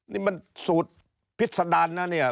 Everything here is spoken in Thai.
นี่มันสูตรพิษดารนะเนี่ย